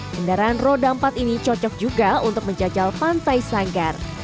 kendaraan roda empat ini cocok juga untuk menjajal pantai sanggar